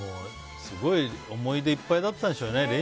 すごい思い出いっぱいだったんでしょうね。